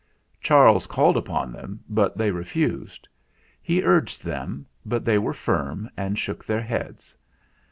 Charles called upon them, but they refused; he urged them, but they were firm and shook their heads.